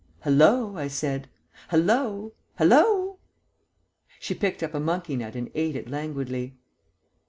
"Hallo," I said, "hallo hallo." She picked up a monkey nut and ate it languidly.